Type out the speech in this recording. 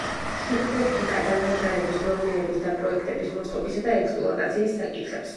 შუქტექნიკა დანადგარების ნორმირების, დაპროექტების, მოწყობისა და ექსპლუატაციის საკითხებს.